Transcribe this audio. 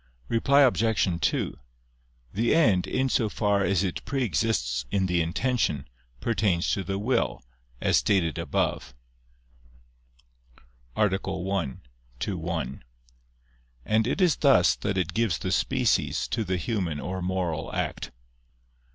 Reply Obj. 2: The end, in so far as it pre exists in the intention, pertains to the will, as stated above (A. 1, ad 1). And it is thus that it gives the species to the human or moral act.